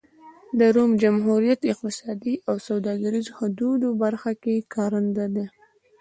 د روم جمهوریت اقتصادي او سوداګریزو حدودو برخه کې کارنده ده.